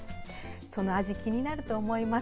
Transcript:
その味、気になると思います。